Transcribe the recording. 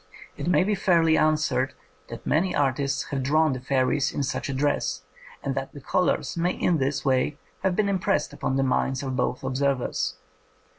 It may be fairly answered that many artists have drawn the fairies in such a dress, and that the colours may in this way have been impressed upon the minds of both observers.